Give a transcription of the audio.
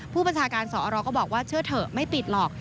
ผู้บัญชาการสอรก็บอกว่าเชื่อเถอะไม่ปิดหรอก